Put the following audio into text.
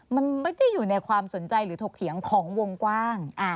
มันไม่ได้อยู่ในความสนใจหรือถกเถียงของวงกว้าง